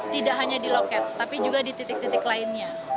tidak hanya di loket tapi juga di titik titik lainnya